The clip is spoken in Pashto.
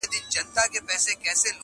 o گيدړي ته خپله لکۍ بلا سوه!